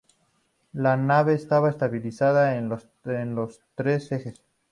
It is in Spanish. La nave estaba estabilizada en los tres ejes.